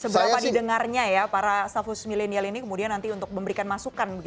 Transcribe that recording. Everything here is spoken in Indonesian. seberapa didengarnya ya para staff khusus millennial ini kemudian nanti untuk memberikan masukan